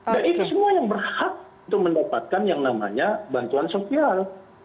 dan itu semua yang berhak untuk mendapatkan yang namanya bantuan sosial